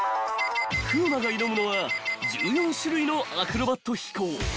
［風磨が挑むのは１４種類のアクロバット飛行］